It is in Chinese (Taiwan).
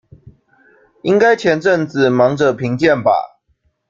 應該前陣子忙著評鑑吧